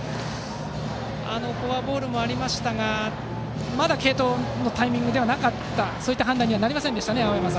フォアボールもありましたがまだ継投のタイミングという判断にはなりませんでしたね。